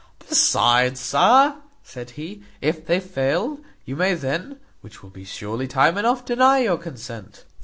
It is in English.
"Besides, sir," said he, "if they fail, you may then (which will be surely time enough) deny your consent."